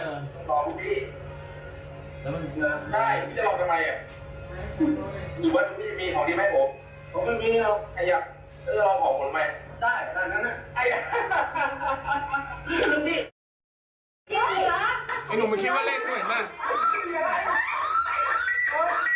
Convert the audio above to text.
นี่นุ่งไม่คิดว่าเลขก็เห็นมาก